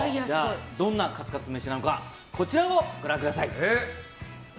どんなカツカツ飯なのかこちらをご覧ください。